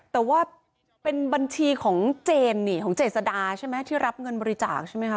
แต่ว่าเป็นบัญชีของเจรดาที่รับเงินบริจาคใช่ไหมคะ